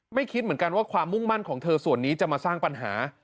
คิดเหมือนกันว่าความมุ่งมั่นของเธอส่วนนี้จะมาสร้างปัญหา